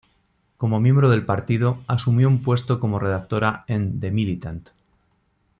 Como miembro del partido, asumió un puesto como redactora en "The Militant".